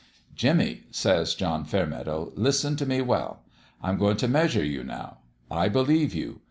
4 Jimmie,' says John Fairmeadow, * listen t' me well : I'm goin' t' measure you, now. I believe you.